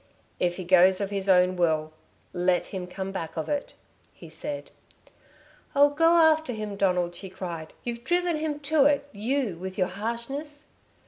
"If he goes of his own will let him come back of it," he said. "Oh, go after him, Donald," she cried. "You've driven him to it, you, with your harshness."